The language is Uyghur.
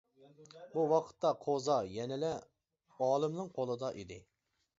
بۇ ۋاقىتتا قوزا يەنىلا ئالىمنىڭ قولىدا ئىدى.